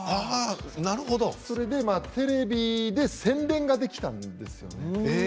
それでテレビで宣伝ができたんですね。